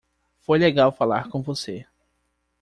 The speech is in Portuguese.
Foi legal falar com você.